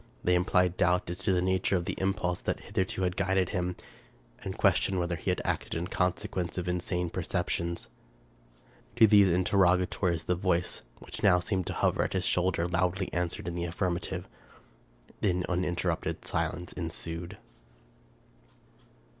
They implied doubt as to the nature of the impulse that hitherto had guided him, and questioned whether he had acted in consequence of insane perceptions. To these interrogatories the voice, which now seemed to hover at his shoulder, loudly answered in the affirmative. Then uninterrupted silence ensued.